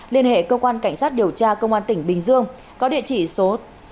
liên hệ cơ quan cảnh sát điều tra công an tỉnh bình dương có địa chỉ số sáu trăm tám mươi một